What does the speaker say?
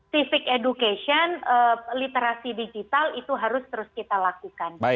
civic education literasi digital itu harus terus kita lakukan